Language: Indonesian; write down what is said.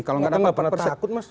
kita gak pernah takut mas